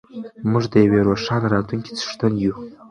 موږ د یوې روښانه راتلونکې څښتن یو.